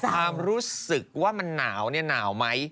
ความรู้สึกว่ามันหนาวเนี่ยหนาวไหม